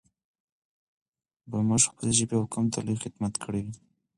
به موږ خپلې ژبې او قوم ته لوى خدمت کړى وي.